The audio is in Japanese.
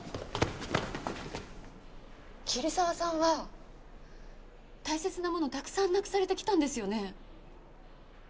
桐沢さんは大切なものをたくさんなくされてきたんですよね？